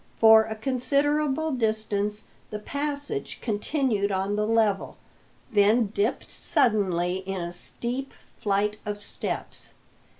For a considerable distance the passage continued on the level, then dipped suddenly in a steep flight of steps.